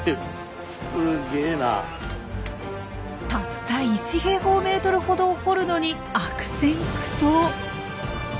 たった１平方メートルほどを掘るのに悪戦苦闘。